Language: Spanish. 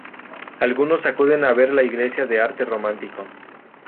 Algunos acuden a ver la Iglesia de arte Románico.